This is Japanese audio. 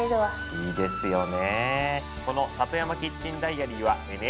いいですよね。